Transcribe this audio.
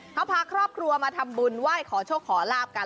เขาพาครอบครัวมาทำบุญไหว้ขอโชคขอลาบกัน